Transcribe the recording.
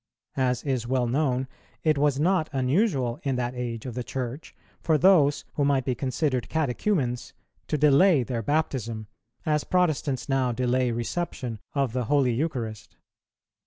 As is well known, it was not unusual in that age of the Church for those, who might be considered catechumens, to delay their baptism, as Protestants now delay reception of the Holy Eucharist.